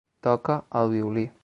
Toca el violí.